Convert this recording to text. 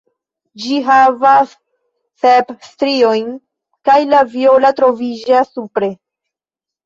Ĝi havas sep striojn kaj la viola troviĝas supre.